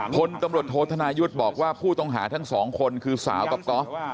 พลตำรวจโทษธนายุทธ์บอกว่าผู้ต้องหาทั้งสองคนคือสาวกับก๊อฟ